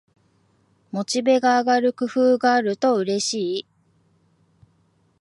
モチベが上がる工夫があるとうれしい